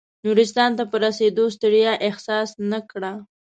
نورستان ته په رسېدو ستړیا احساس نه کړه.